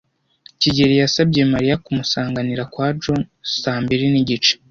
kigeli yasabye Mariya kumusanganira kwa John saa mbiri nigice.